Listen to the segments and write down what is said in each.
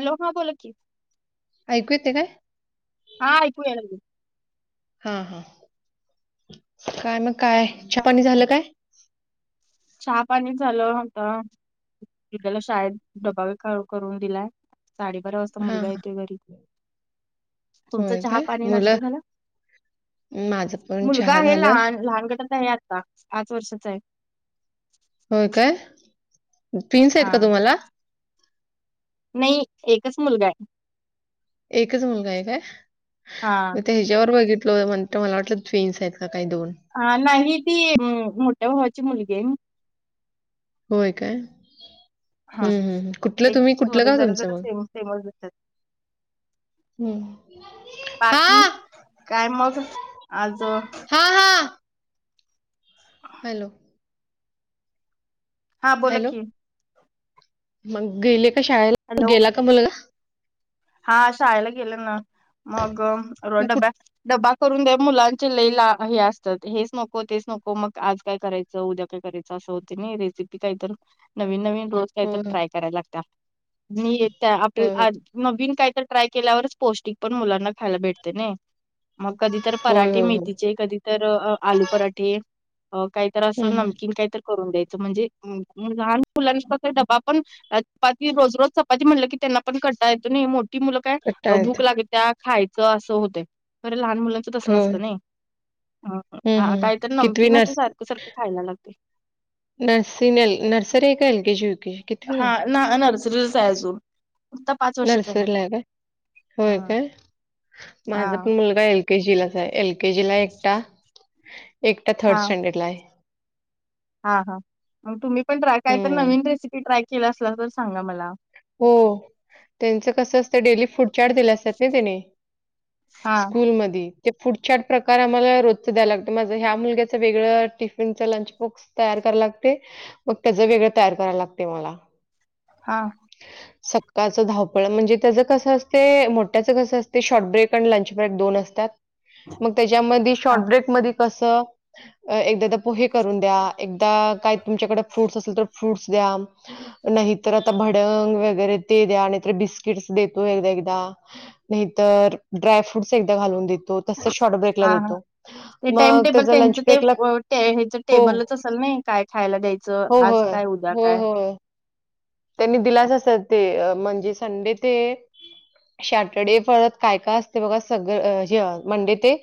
Hello हां बोलां की ऐकू येते काय? हां ऐकूया लागतं हां हां कायं मंग कायं चहापाणी झालं कायं चहा पाणी झालं होतं मीत्यांला शाळेंत डब्बा करूंन दिलांय साडेबारा वाजतां हा मुलंगा हा येतोय घरी तुमचं होय चहा काय पाणी मुलं नाश्ता झालां माझं पण मुलंगा चहा आहे झालं लहांन लहांन गटांत आहे आं पांच वर्षाचा आहे होयं कायं ट्विन्स आहेत कां तुम्हांला नाहीं एकचं मुलंगा आहे एकचं मुलंगा आहे कां हा मं ते जेवर बघितलं म्हंण मलां वाटलं ट्विन्स आहेतं कांहीं दोन हां नाहीं ती मोठ्यां भावांची मुलंगी आहे होयं कायं हा हम्मं हम्मं कुंठलं ते तुम्हीं कुंठलं थोडे गावं जरा तुमचं जरा मंग सेम सेमच दिसतात हम्मं बाकी कायं मंग आंज हा हा हॅलो हां बोलां की मंग गेले कां शाळेला तूं गेलां कां मुलंगा हां शाळेला गेलं नां मंग रोज मग कुठ डब्यांत डब्बा करूंन द्यां मुलांचे लैला हे असतांत हेंच नको तेचं नको मंग आंज कायं करायचं उद्यां कायं करायचं असं होतं नाहीं रेसिपी कांहीत नवीन नवीन रोज कांहीं होय तरं ट्राय करायंला लागतं मं येतं होय होय आपणं नवीन कायं तरं ट्राय केल्यावरंच पौष्टिक पणं मुलांना खायला भेटते नाहीं मग कधी तर होय पराठे होय होय मेथीचे कधी तर अ आलू पराठे. अ काहीतर हम्म असं हम्म नमकीन काहीत करून द्यायचं म्हणजे म लहान मुलांचा डबा पण अ पाती रोज रोज चपाती म्हटलं की त्यांना पण कं टाळा येतो नाही मोठी मुलं काय कंटाळा भूक येतो लागत्या खायचं असं होतय तरे लहान मुला त होय नसतं नाही हम्म हा हम्म काहीतर कितवी नमकीनच नर्स सारखं-सारखं खायला लागते. नर्सिनील नर्सरी आहे का एल केजी होती केजी कितवीला आहे? नाय नर्सरीलाच आहे अजून. आता पाच वर्षाचा नर्सरीला आहे काय होय हा काय माझा पण हा मुलगा एल केजी लाच आहे एल केजी ला एकटा एकटा थर्ड हा स्टँडर्ड ला आहे. हा हा मग तुम्ही पण ट्राय काय तर हं. नवीन रेसिपी ट्राय केला असला तर सांगा मला. हो त्यांचं कसं असतं डेली फूड चाट दिलं सत नाय त्याने हा स्कूल मध्ये ते फूड चॅट प्रकार आम्हाला रोजचं द्यायला लागतं माझं ह्या मुलग्याचं वेगळं टिफिनचं लंच बॉक्स तयार कराय लागते मग त्याज वेगळं तयार करायला लागते मला. हाव. ह. सक्काळचं धावपळ म्हणजे त्याजा कसं असते मोठ्याचं कसं असते शॉर्ट ब्रेक आणि लंच ब्रेक दोन असतात. मग त्याच्यामध्ये हा शॉर्टब्रेक मधी कसं एकदादा पोहे करून द्या एकदा काय तुमच्याकडे फ्रुट्स असेल तर फ्रूट्स द्या. नाहीतर आता भडंग वगैरे ते द्या नाहीतर बिस्किट्स देतो एकदा एकदा. नाही तर ड्राय फ्रूटस एकदा घालून देतो तस शॉर्ट ब्रेकला हा हा. देतो. ते टाइम मग टेबल त्याचा लंच त्यांचं ते ब्रेकला व ते हेचा हो. टेबलच असेल नाही काय खायला द्याय हो, आज होय. काय उद्या होय, काय. होय. त्यांनी दिलाच असत ते अ म्हणजे संडे ते सॅटरडे परत काय काय असते बघा सगळं अ ह्य मंडे ते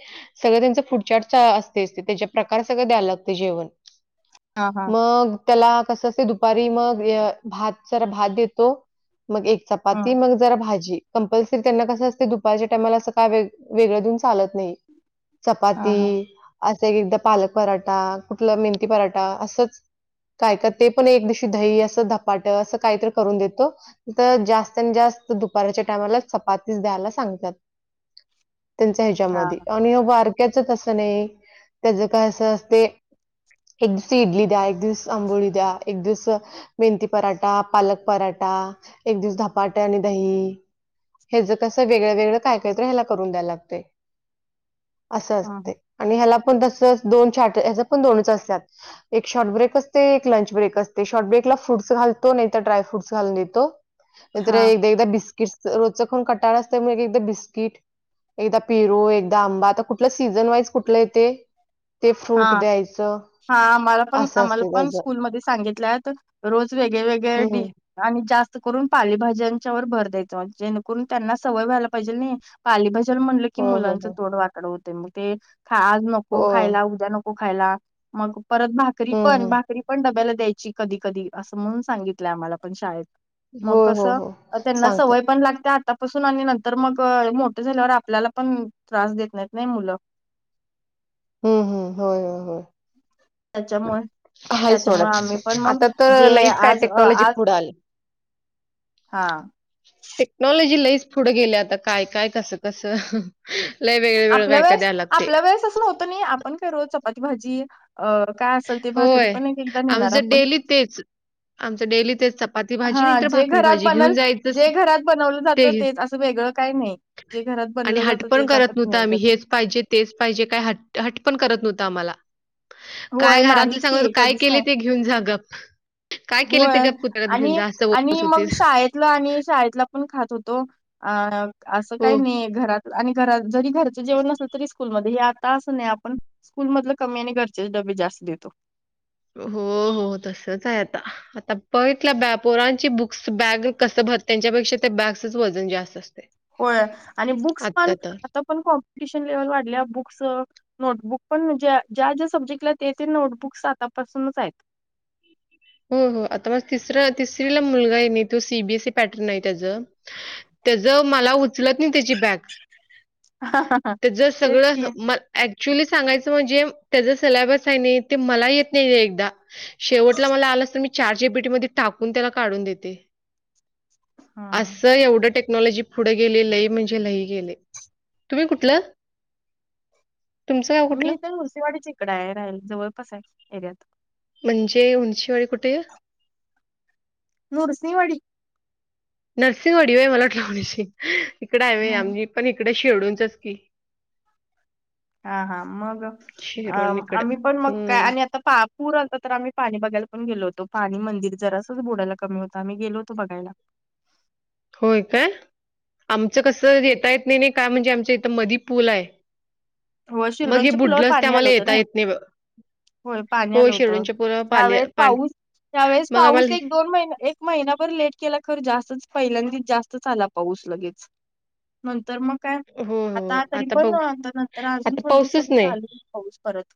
सगळं त्यांच फूडचाट च्या असतेच त्यांच्या प्रकार सगळं द्यायला लागते जेवण. हा हा मग त्याला कसं असते दुपारी मग य भात सरा भात देतो मग एक चपाती हम्म मग जरा भाजी कंपल्सरी त्यांना कसं असते दुपारच्या टाममाला असं काय वेग वेगळं देऊन चालत नाही. हा चपाती हा असं एक एकदा पालक पराठा कुठलं मेंती पराठा असंच काय का ते पण एक दिवशी दही असं धपाटं असं काहीतरी करून देतो. तर जास्तीत अन जास्त दुपारच्या टायमाला चपातीस द्यायला सांगतात. त्यांच हा ह्याच्यामध्ये आणि अ बारक्याचा तसं नाही त्याज काय असं असते एक दिवस इडली द्या एक दिवस आंबोळी द्या एक दिवस मेंथी पराठा, पालक पराठा एक दिवस धपाटा आणि दही हेज्या कसं वेगळं वेगळं काय काहीतर ह्याला करून द्याय लागते असं हा असते. आणि ह्याला पण तसच दोन चाट हेज्या पण दोनच असत्यात. एक शॉर्ट ब्रेक असते एक लंच ब्रेक असते शॉर्ट ब्रेक ला फ्रुटस घालतो नाहीतर ड्रायफ्रूट घालून देतो नाहीतर हा एकदा एकदा बिस्किटस रोजचा खाऊन कटाळा असतमुळे एक एकदा बिस्किट एकदा पीरू, एकदा आंबा आता कुठलं सीझन वाईज कुठलं येते ते फ्रूट हा द्यायचं. हा मला पण असं आम्हाला असते पण त्याचं. स्कूलमध्ये सांगितल्यात रोज वेगळे वेगळे हं. डी आणि जास्त करून पालेभाज्यांच्या व भर द्यायचंज जेणेकरून त्यांना सवय व्हायला पाहिजे नाही. पालीभजा म्हणलं की होय, होय, मुलांचं होय. तोड वाकड होते मग ते खा आज नको होय. खायला उ नको खायला, मग परत भाकरी हं, पण, हं. भाकरी पण डब्याला द्यायची. कधी कधी, असं म्हणून सांगितलंय आम्हाला पण शाळेत. मग होय, कस, हो, हो. त्यांना सांगतात. सवय पण लागत्या आता पासून, आणि नंतर मग मोठं झाल्यावर आपल्याला पण त्रास देत नाहीत नाही मुलं. हम्म हम्म! होय होय, हो. त्याच्यामुळे, सोडा त्याच्यामुळे आम्ही तसं. पण मग आता तर जे लईच काय आज टेक्नॉलॉजी आज पुढं आली. हा. टेक्नॉलॉजी लईच पुढं गेल्या आता, काय काय कसं कसं लय वेग आपल्या वेळेस, आपल्या वेळेस अस नव्हत नई, आपण काय रोज चपाती, भाजी, अ काय असेल ते, भाकरी होय. पण एक एकदा नेणार आमचं आपण. डेली तेच, आमच डेली तेच चपाती भाजी हा, नाहीतर जे भाकरी घरात भाजी बनल, घेऊन जायचंच जे घरात बनवलं ते जातं तेच, असं वेगळं काही नाही. जे घरात आणि बनवलं हट जातं, पण तेच करत आपण नव्हतं घेऊन आम्ही जात. हेच पाहिजे, तेच पाहिजे काय, हट हटपण करत नव्हतं आम्हाला. काय होय घरातले नाहीच सांगत होते की, काय कधीच केले नाही. ते घेऊन जा गप्प. होय, आणि, आणि बोलत होती. मग शाळेत आणि शाळेतला पण खात होतो, अ अस हो, काही नाही घरात आणि घरात जरी घरचं जेवण नसलं तरी स्कूलमध्ये, हे आता असं नाही आपण स्कूल मधलं कमी, आणि घरचेच डबे जास्त देतो. हो हो, तसच आहे आता आता पघितल्या बॅ पोरांची बुक्स बॅग कसं भर, त्यांच्यापेक्षा त्या बॅगसच वजन जास्त असतंय. होय, आणि बुक्स पण, आता पण कॉम्पिटिशन लेव्हल वाढल्या, बुक्स नोटबुक पण म्हणजे, ज्या ज्या सब्जेक्टला ते ते नोटबुक्स आतापासूनच आहेत. हो हो, आता मग तिसर तिसरीला मुलगा आहे नाही, तो सीबीएसईी पॅटर्न आहे त्याचं. त्याच मला उ ऊचलत नाही त्याची बॅग, त्याच तेच सगळं की म अऍक्च्युली सांगाचं म्हणजे, त्याचा सिलेबस आहे नई, ते मला येत नाही एकदा शेवट त मला आला तर, मी चाट. जी. पी. टी. मध्ये टाकून त्याला काढून देते. हा असं एवढं टे टेक्नॉलॉजी पुढ गेलय, लई म्हणजे लई गेलय, तुम्ही कुठलं? तुमचं गाव आम्ही कुठलं? इथ मुरसेवाडीच्या इकडं आहे, राहिला जवळपास आहे, एरियात म्हणजे उंचीवाडी कुठे आहे? नूरसिहवाडी नर्सिंहवाडी होय, मला वाटलं [unintelligible] शी, इकडे आहे होय, नाही आम्ही पण इकड शिरढोणचच की हा हा, मग अ, शिरडून इकडं आम्ही पण मग काय हम्म. आणि आता पा पूर आता तर आम्ही पाणी बघायला पण गेलो होतो, पाणी मंदिर जरासं बुडायला कमी होत, आम्ही गेलो होतं बघायला. होय काय? आमचं कस येता येत नाही, नाही काय म्हणजे आमच इथ मधी पूल आहे. हो, मग हे शिरडोनच्या पुलावर बुडलंच ते पाणी आलं आम्हाला होतं येता नाही येत बघ. होय, पाणी हो आलं होत. शिरडूनच्या पुलावर पाले ह्यावेेळेस पाणी पाऊस ह्यावेळेस मग पाऊस आम्हाला एक दोन महिने, एक महिनाभर लेट केला खर, जास्तच पहिल्यांदीच जास्तच आला पाऊस लगेच. नंतर मग काय हो हो आता तरी पण बघू आता नंतर अजून आता थोड पाऊसच दिवसांनी नाही. चालू [unintelligible] पाऊस परत.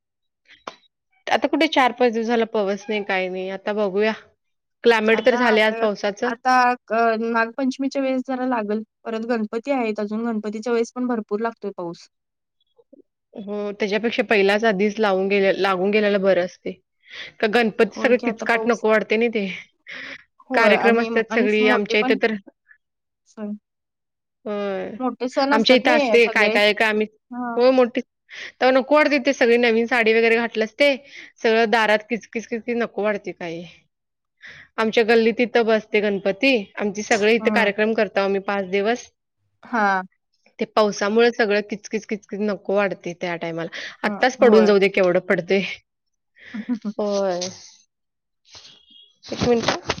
[unintelligible] [inaudible] आता कुठे चार -पाच दिवस झालं पाऊस नाही काही नाही आता बघूया. क्लायमेट तर झाले आज पावसाचं. ग नागपंचमीच्या वेळेस जरा लागल परत गणपती आहेत अजून गणपतीच्या वेळेस पण भरपूर लागतोय पाऊस. हो त्याच्यापेक्षा पहिलाच आधीच लावून गेल लागून गेलेला बरं असतय. का गणपती होय सगळ की आता किचकट पाऊस नको वाढते ना ते. होय कार्यक्रम आणि असतात आणि सगळी मोठे आमच्या पण इथं तर [unintelligible] होय मोठे सण आमच्या असतात ना. इथं असते सगळे. हा. तवा नको वाटतंय सगळी नवीन साडी वगैरे घातली असते. सगळं दारात किचकिचकिचकी नको वाटतय काही. आमच्या गल्लीत इथं बसते गणपती. आमचे सगळे इथे हम्म कार्यक्रम करतो आम्ही पाच दिवस. हा. ते पावसामुळे सगळं किचकीच किचकीत नको वाढतंय. त्या टायमाला. हा आत्ताच पडून जाऊ दे केवढं पडतय. ह ह ह. होय. एक मिनट.